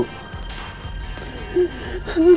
terus apa lagi bu